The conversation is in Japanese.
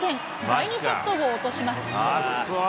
第２セットを落とします。